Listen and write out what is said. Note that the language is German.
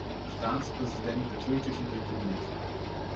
Staatspräsident der türkischen Republik.